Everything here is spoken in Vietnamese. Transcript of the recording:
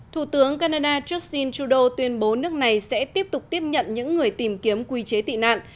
thủ tướng canada justin trudeau tuyên bố nước này sẽ tiếp tục tiếp nhận những người tìm kiếm quy chế tị nạn